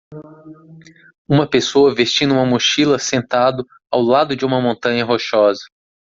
uma pessoa vestindo uma mochila sentado ao lado de uma montanha rochosa.